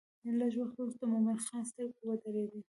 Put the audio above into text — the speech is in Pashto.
لږ وخت وروسته د مومن خان سترګې ودرېدې.